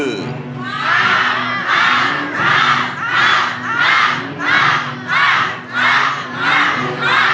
ฆ่าฆ่าฆ่า